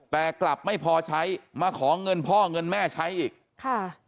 แต่กลับไม่พอใช้มาขอเงินพ่อเงินแม่ใช้อีกค่ะ